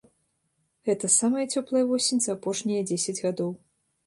Гэта самая цёплая восень за апошнія дзесяць гадоў.